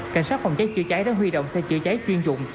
cảnh sát phòng cháy chữa cháy đã huy động xe chữa cháy chuyên dụng